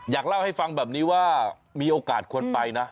อยากเล่าให้ฟังแบบนี้ว่ามีโอกาสควรไปนะ